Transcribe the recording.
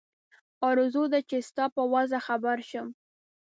آرزو ده چې ستا په وضع خبر شم.